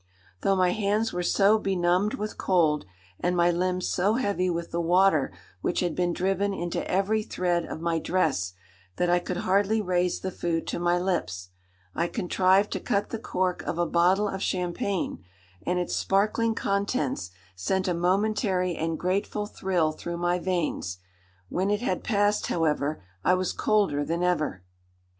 Though my hands were so benumbed with cold, and my limbs so heavy with the water which had been driven into every thread of my dress that I could hardly raise the food to my lips, I contrived to cut the cork of a bottle of champagne, and its sparkling contents sent a momentary and grateful thrill through my veins: when it had passed, however, I was colder than ever.